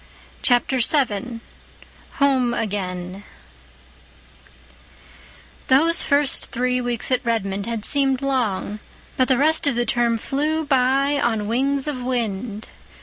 Chapter VII Home Again Those first three weeks at Redmond had seemed long; but the rest of the term flew by on wings of wind.